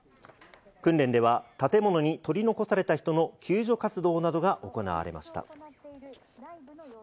訓練では建物に取り残された人の救助活動などが行われました。